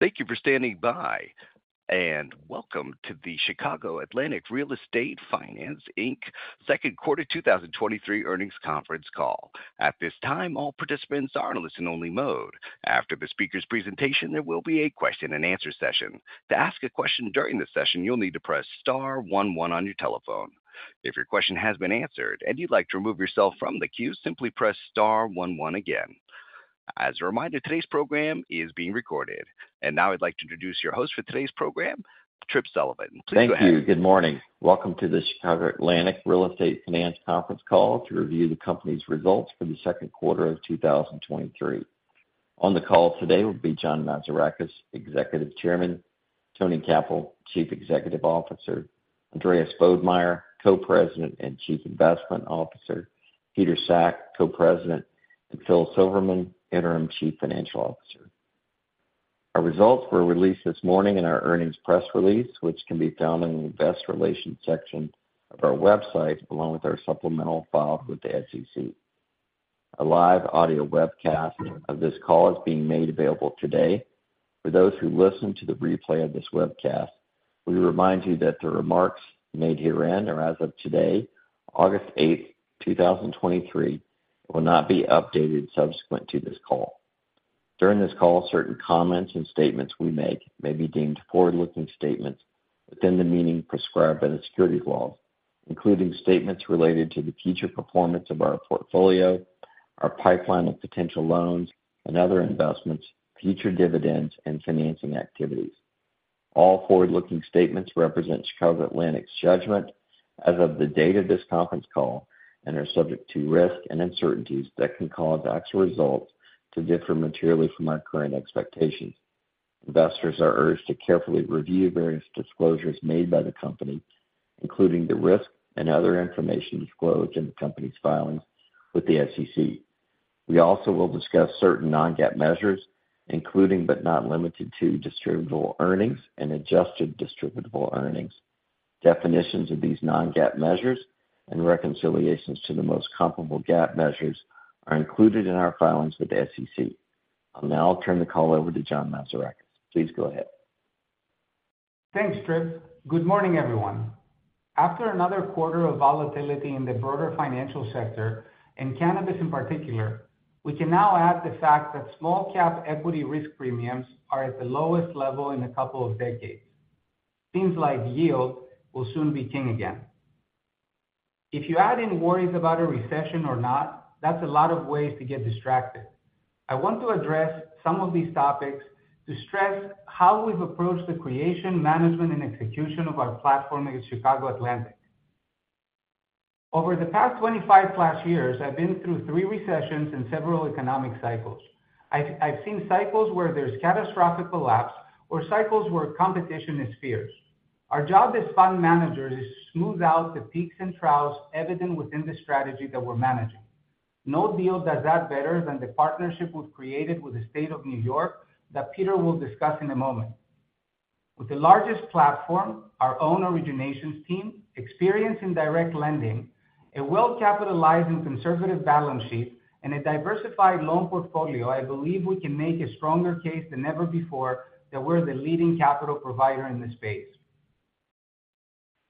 Thank you for standing by, and welcome to the Chicago Atlantic Real Estate Finance, Inc. Q2 2023 earnings Conference Call. At this time, all participants are in listen only mode. After the speaker's presentation, there will be a question and answer session. To ask a question during the session, you'll need to press star one one on your telephone. If your question has been answered and you'd like to remove yourself from the queue, simply press star 11 again. As a reminder, today's program is being recorded. Now I'd like to introduce your host for today's program, Tripp Sullivan. Please go ahead. Thank you. Good morning. Welcome to the Chicago Atlantic Real Estate Finance Conference Call to review the company's results for the second quarter of 2023. On the call today will be John Mazarakis, Executive Chairman, Tony Cappell, Chief Executive Officer, Andreas Bodmeier, Co-President and Chief Investment Officer, Peter Sack, Co-President, and Phil Silverman, Interim Chief Financial Officer. Our results were released this morning in our earnings press release, which can be found in the invest relations section of our website, along with our supplemental files with the SEC. A live audio webcast of this call is being made available today. For those who listen to the replay of this webcast, we remind you that the remarks made herein are as of today, August eighth, 2023, will not be updated subsequent to this call. During this call, certain comments and statements we make may be deemed forward-looking statements within the meaning prescribed by the securities laws, including statements related to the future performance of our portfolio, our pipeline of potential loans and other investments, future dividends, and financing activities. All forward-looking statements represent Chicago Atlantic's judgment as of the date of this conference call and are subject to risks and uncertainties that can cause actual results to differ materially from our current expectations. Investors are urged to carefully review various disclosures made by the company, including the risks and other information disclosed in the company's filings with the SEC. We also will discuss certain non-GAAP measures, including but not limited to, distributable earnings and adjusted distributable earnings. Definitions of these non-GAAP measures and reconciliations to the most comparable GAAP measures are included in our filings with the SEC. I'll now turn the call over to John Mazarakis. Please go ahead. Thanks, Tripp. Good morning, everyone. After another quarter of volatility in the broader financial sector, and cannabis in particular, we can now add the fact that small cap equity risk premiums are at the lowest level in a couple of decades. Things like yield will soon be king again. If you add in worries about a recession or not, that's a lot of ways to get distracted. I want to address some of these topics to stress how we've approached the creation, management, and execution of our platform at Chicago Atlantic. Over the past 25+ years, I've been through three recessions and several economic cycles. I've seen cycles where there's catastrophic collapse or cycles where competition is fierce. Our job as fund managers is to smooth out the peaks and troughs evident within the strategy that we're managing. No deal does that better than the partnership we've created with the state of New York, that Peter will discuss in a moment. With the largest platform, our own originations team, experience in direct lending, a well-capitalized and conservative balance sheet, and a diversified loan portfolio, I believe we can make a stronger case than ever before, that we're the leading capital provider in this space.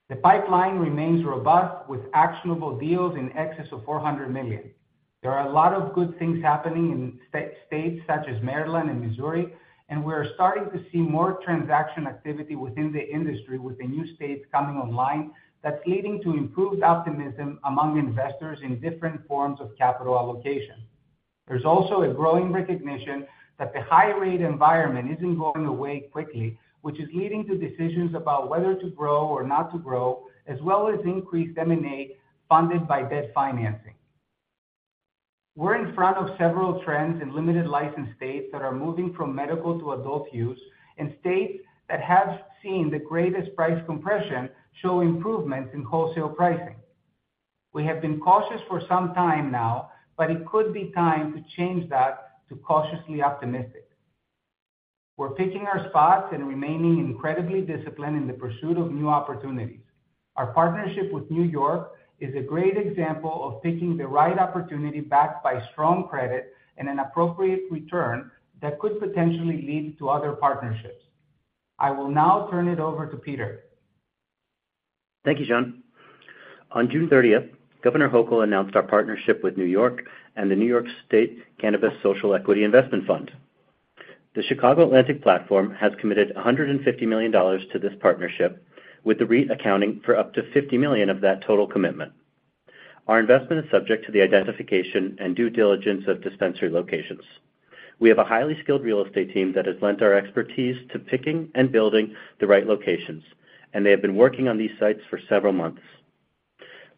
The pipeline remains robust, with actionable deals in excess of $400 million. There are a lot of good things happening in states such as Maryland and Missouri, and we are starting to see more transaction activity within the industry with the new states coming online that's leading to improved optimism among investors in different forms of capital allocation. There's also a growing recognition that the high rate environment isn't going away quickly, which is leading to decisions about whether to grow or not to grow, as well as increased M&A funded by debt financing. We're in front of several trends in limited license states that are moving from medical to adult use, and states that have seen the greatest price compression show improvement in wholesale pricing. We have been cautious for some time now, but it could be time to change that to cautiously optimistic. We're picking our spots and remaining incredibly disciplined in the pursuit of new opportunities. Our partnership with New York is a great example of picking the right opportunity, backed by strong credit and an appropriate return that could potentially lead to other partnerships. I will now turn it over to Peter. Thank you, John. On June 30th, Governor Hochul announced our partnership with New York and the New York State Cannabis Social Equity Investment Fund. The Chicago Atlantic platform has committed $150 million to this partnership, with the REIT accounting for up to $50 million of that total commitment. Our investment is subject to the identification and due diligence of dispensary locations. We have a highly skilled real estate team that has lent our expertise to picking and building the right locations, and they have been working on these sites for several months.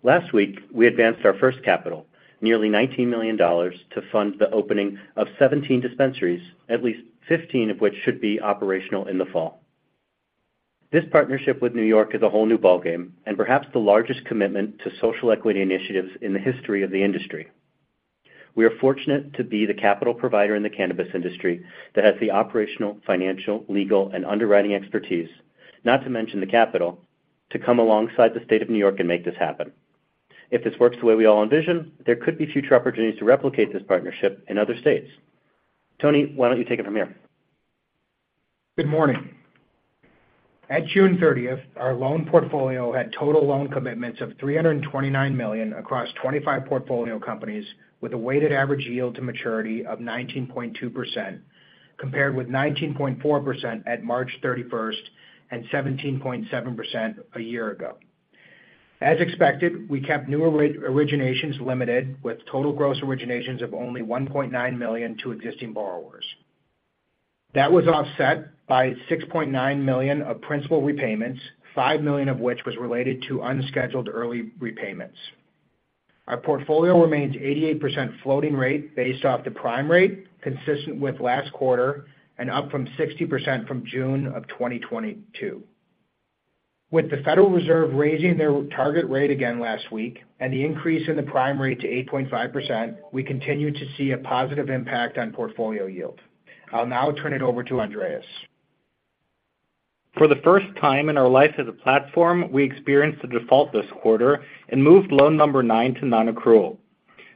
Last week, we advanced our first capital, nearly $19 million, to fund the opening of 17 dispensaries, at least 15 of which should be operational in the fall. This partnership with New York is a whole new ballgame and perhaps the largest commitment to social equity initiatives in the history of the industry. We are fortunate to be the capital provider in the cannabis industry that has the operational, financial, legal, and underwriting expertise, not to mention the capital, to come alongside the state of New York and make this happen. If this works the way we all envision, there could be future opportunities to replicate this partnership in other states. Tony, why don't you take it from here? Good morning. At June 30th, our loan portfolio had total loan commitments of $329 million across 25 portfolio companies, with a weighted average yield to maturity of 19.2%, compared with 19.4% at March 31st, and 17.7% a year ago. As expected, we kept new originations limited, with total gross originations of only $1.9 million to existing borrowers. That was offset by $6.9 million of principal repayments, $5 million of which was related to unscheduled early repayments. Our portfolio remains 88% floating rate based off the Prime Rate, consistent with last quarter and up from 60% from June of 2022. With the Federal Reserve raising their target rate again last week and the increase in the Prime Rate to 8.5%, we continue to see a positive impact on portfolio yield. I'll now turn it over to Andreas. For the first time in our life as a platform, we experienced a default this quarter and moved loan number nine to nonaccrual.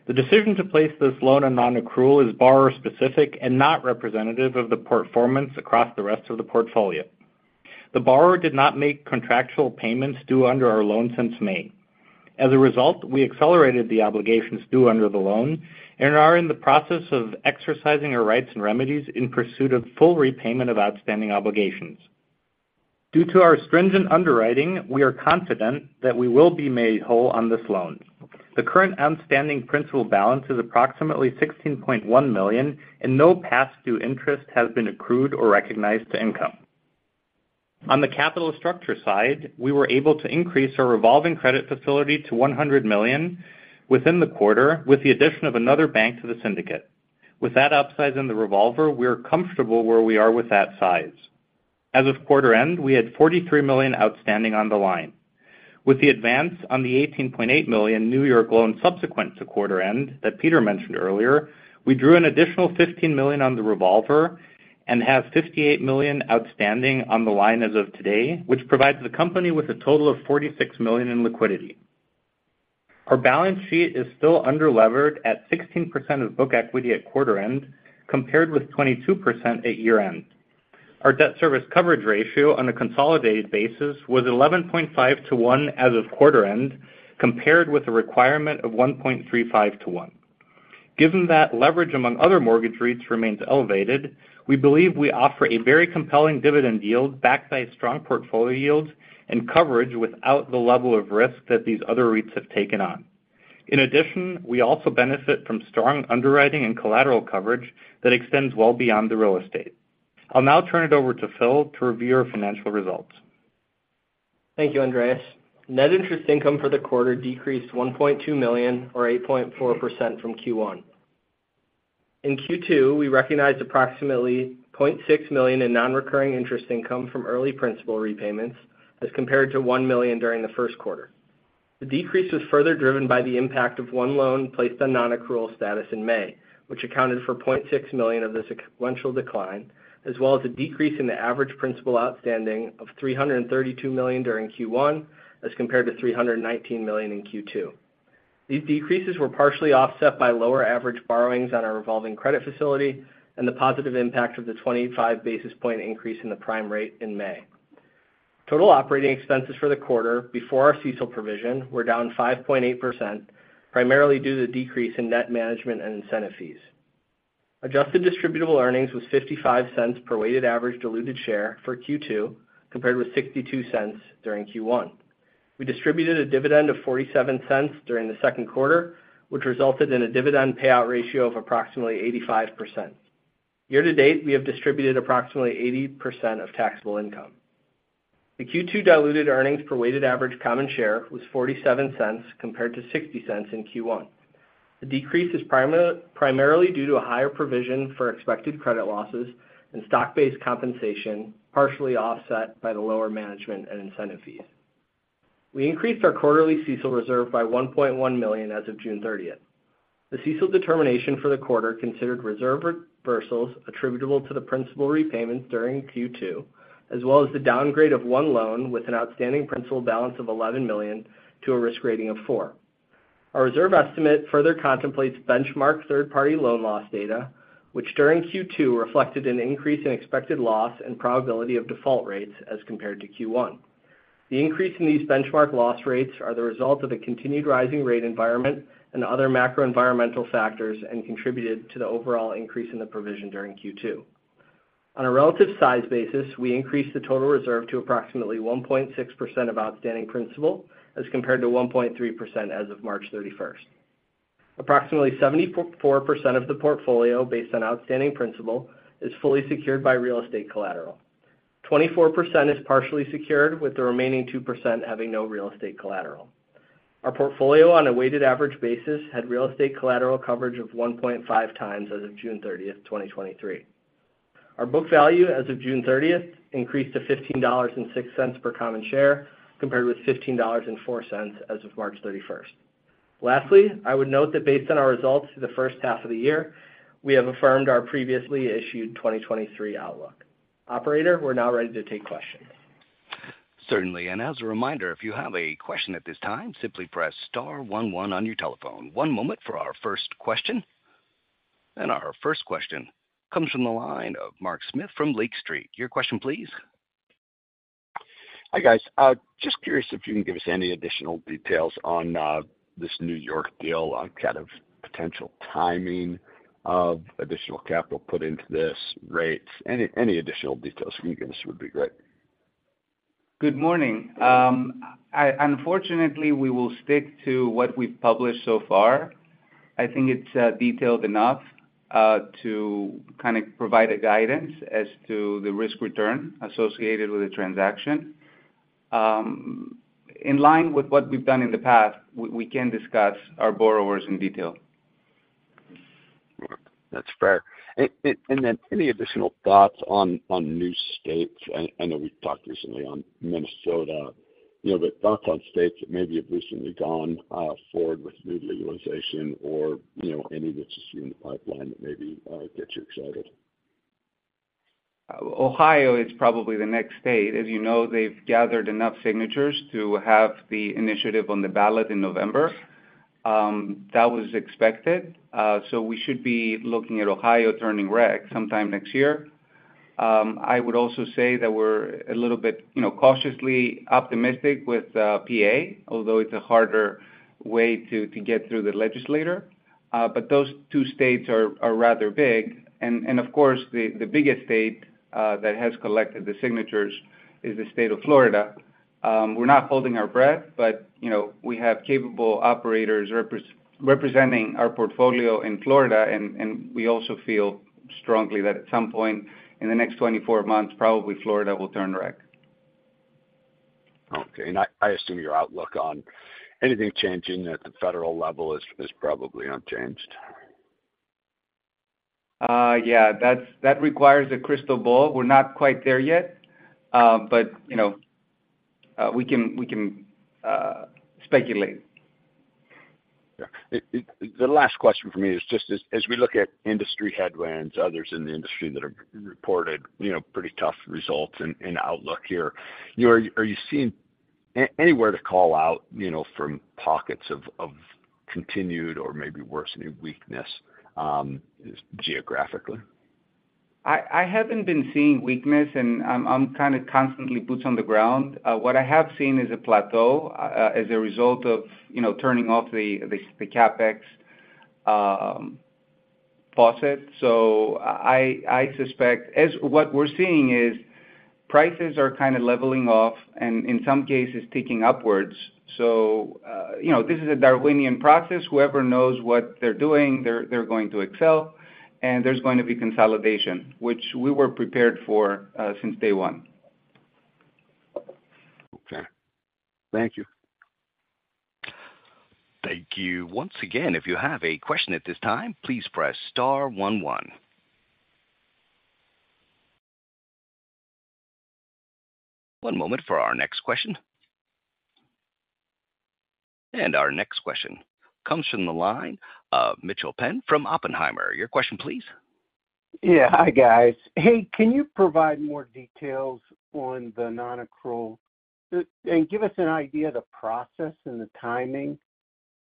The decision to place this loan on nonaccrual is borrower-specific and not representative of the performance across the rest of the portfolio. The borrower did not make contractual payments due under our loan since May. As a result, we accelerated the obligations due under the loan and are in the process of exercising our rights and remedies in pursuit of full repayment of outstanding obligations. Due to our stringent underwriting, we are confident that we will be made whole on this loan. The current outstanding principal balance is approximately $16.1 million, and no past due interest has been accrued or recognized to income. On the capital structure side, we were able to increase our revolving credit facility to $100 million within the quarter with the addition of another bank to the syndicate. With that upside in the revolver, we are comfortable where we are with that size. As of quarter end, we had $43 million outstanding on the line. With the advance on the $18.8 million New York loan subsequent to quarter end that Peter mentioned earlier, we drew an additional $15 million on the revolver and have $58 million outstanding on the line as of today, which provides the company with a total of $46 million in liquidity. Our balance sheet is still underlevered at 16% of book equity at quarter end, compared with 22% at year-end. Our debt service coverage ratio on a consolidated basis was 11.5 to 1 as of quarter end, compared with a requirement of 1.35 to 1. Given that leverage among other mortgage REITs remains elevated, we believe we offer a very compelling dividend yield, backed by strong portfolio yields and coverage without the level of risk that these other REITs have taken on. In addition, we also benefit from strong underwriting and collateral coverage that extends well beyond the real estate. I'll now turn it over to Phil to review our financial results. Thank you, Andreas. Net interest income for the quarter decreased $1.2 million or 8.4% from Q1. In Q2, we recognized approximately $0.6 million in nonrecurring interest income from early principal repayments, as compared to $1 million during the first quarter. The decrease was further driven by the impact of one loan placed on nonaccrual status in May, which accounted for $0.6 million of the sequential decline, as well as a decrease in the average principal outstanding of $332 million during Q1, as compared to $319 million in Q2. These decreases were partially offset by lower average borrowings on our revolving credit facility and the positive impact of the 25 basis point increase in the Prime Rate in May. Total operating expenses for the quarter before our CECL provision were down 5.8%, primarily due to the decrease in net management and incentive fees. Adjusted distributable earnings was $0.55 per weighted average diluted share for Q2, compared with $0.62 during Q1. We distributed a dividend of $0.47 during the second quarter, which resulted in a dividend payout ratio of approximately 85%. Year-to-date, we have distributed approximately 80% of taxable income. The Q2 diluted earnings per weighted average common share was $0.47, compared to $0.60 in Q1. The decrease is primarily due to a higher provision for expected credit losses and stock-based compensation, partially offset by the lower management and incentive fees. We increased our quarterly CECL reserve by $1.1 million as of June 30th. The CECL determination for the quarter considered reserve reversals attributable to the principal repayments during Q2, as well as the downgrade of one loan with an outstanding principal balance of $11 million to a risk rating of 4. Our reserve estimate further contemplates benchmark third-party loan loss data, which during Q2, reflected an increase in expected loss and probability of default rates as compared to Q1. The increase in these benchmark loss rates are the result of the continued rising rate environment and other macro environmental factors, and contributed to the overall increase in the provision during Q2. On a relative size basis, we increased the total reserve to approximately 1.6% of outstanding principal, as compared to 1.3% as of March 31st. Approximately 74% of the portfolio, based on outstanding principal, is fully secured by real estate collateral. 24% is partially secured, with the remaining 2% having no real estate collateral. Our portfolio, on a weighted average basis, had real estate collateral coverage of 1.5 times as of June 30th, 2023. Our book value as of June 30th increased to $15.06 per common share, compared with $15.04 as of March 31st. Lastly, I would note that based on our results for the first half of the year, we have affirmed our previously issued 2023 outlook. Operator, we're now ready to take questions. Certainly. As a reminder, if you have a question at this time, simply press star 11 on your telephone. One moment for our 1st question. Our 1st question comes from the line of Mark Smith from Lake Street. Your question, please. Hi, guys. Just curious if you can give us any additional details on this New York deal, on kind of potential timing of additional capital put into this, rates, any, any additional details you can give us would be great. Good morning. unfortunately, we will stick to what we've published so far. I think it's, detailed enough, to kind of provide a guidance as to the risk return associated with the transaction. in line with what we've done in the past, we, we can't discuss our borrowers in detail. That's fair. Any additional thoughts on, on new states? I, I know we've talked recently on Minnesota, you know, thoughts on states that maybe have recently gone forward with new legalization or, you know, any that you see in the pipeline that maybe gets you excited. Ohio is probably the next state. As you know, they've gathered enough signatures to have the initiative on the ballot in November. That was expected, we should be looking at Ohio turning rec sometime next year. I would also say that we're a little bit, you know, cautiously optimistic with PA, although it's a harder way to get through the legislator. Those two states are rather big. Of course, the biggest state that has collected the signatures is the state of Florida. We're not holding our breath, you know, we have capable operators representing our portfolio in Florida, we also feel strongly that at some point in the next 24 months, probably Florida will turn rec. Okay. I assume your outlook on anything changing at the federal level is probably unchanged? Yeah, that's, that requires a crystal ball. We're not quite there yet, but, you know, we can, we can, speculate. Yeah. The last question from me is just as, as we look at industry headwinds, others in the industry that are reported, you know, pretty tough results and, and outlook here, you know, are, are you seeing anywhere to call out, you know, from pockets of, of continued or maybe worsening weakness, geographically? I, I haven't been seeing weakness, and I'm, I'm kind of constantly boots on the ground. What I have seen is a plateau, as a result of, you know, turning off the, the, the CapEx faucet. I, I suspect what we're seeing is prices are kind of leveling off and in some cases, ticking upwards. You know, this is a Darwinian process. Whoever knows what they're doing, they're, they're going to excel, and there's going to be consolidation, which we were prepared for since day one. Okay. Thank you. Thank you. Once again, if you have a question at this time, please press star one one. One moment for our next question. And our next question comes from the line of Mitchell Penn from Oppenheimer. Your question, please. Yeah. Hi, guys. Hey, can you provide more details on the nonaccrual? Give us an idea of the process and the timing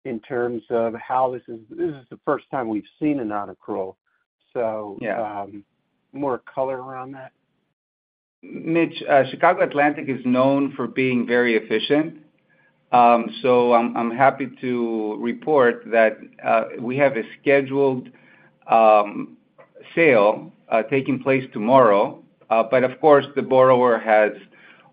in terms of how this is the first time we've seen a nonaccrual, so- Yeah. more color around that. Mitch, Chicago Atlantic is known for being very efficient. I'm, I'm happy to report that we have a scheduled sale taking place tomorrow. Of course, the borrower has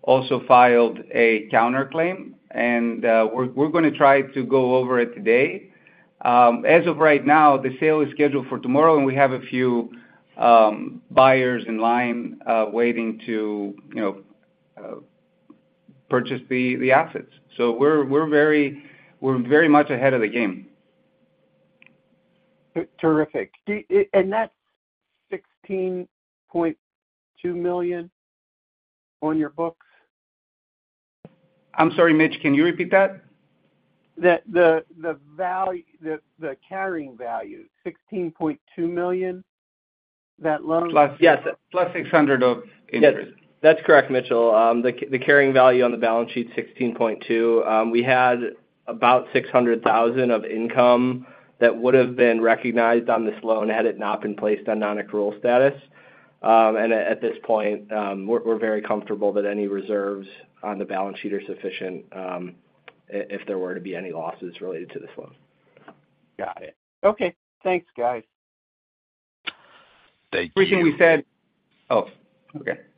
also filed a counterclaim, and we're, we're gonna try to go over it today. As of right now, the sale is scheduled for tomorrow, and we have a few buyers in line, waiting to, you know, purchase the assets. We're, we're very, we're very much ahead of the game. Terrific. That $16.2 million on your books? I'm sorry, Mitch, can you repeat that? The value, the carrying value, $16.2 million, that loan? Plus- Yes. Plus $600 of interest. Yes, that's correct, Mitchell. The, the carrying value on the balance sheet, $16.2 million. We had about $600,000 of income that would have been recognized on this loan had it not been placed on nonaccrual status. At, at this point, we're, we're very comfortable that any reserves on the balance sheet are sufficient, if, if there were to be any losses related to this loan. Got it. Okay. Thanks, guys. Thank you. Everything we said. Oh, okay.